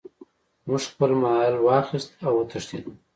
موږ خپل مال واخیست او وتښتیدو.